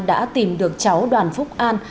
đã tìm được cháu đoàn phúc an